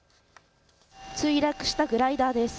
墜落したグライダーです。